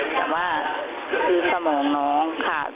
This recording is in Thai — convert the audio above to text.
แต่ว่าคือสมองน้องขาด